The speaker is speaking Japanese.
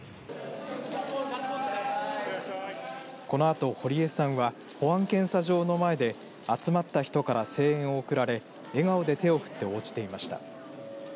このあと堀江さんは保安検査場の前で集まった人から声援を送られ笑顔で手を振って応じていました。